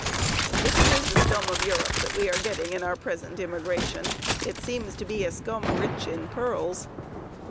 If it is the scum of Europe that we are getting in our present immigration, it seems to be a scum rich in pearls.